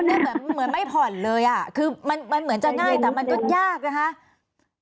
ได้เหมือนไม่ผ่อนเลยอ่ะคือมันเหมือนจะง่ายแต่มันก็ยากนะคะ